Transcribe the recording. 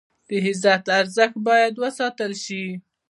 د عزت ارزښت باید وساتل شي.